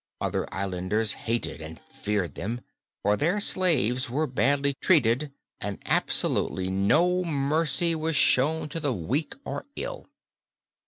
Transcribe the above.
Other islanders hated and feared them, for their slaves were badly treated and absolutely no mercy was shown to the weak or ill.